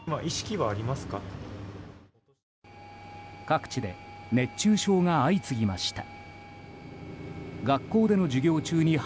各地で熱中症が相次ぎました。